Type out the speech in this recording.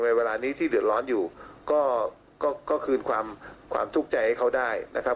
เวลานี้ที่เดือดร้อนอยู่ก็คืนความทุกข์ใจให้เขาได้นะครับ